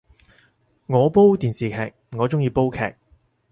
我煲電視劇，我鍾意煲劇